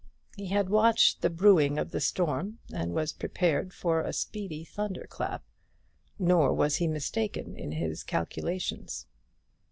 He had watched the brewing of the storm, and was prepared for a speedy thunder clap. Nor was he mistaken in his calculations.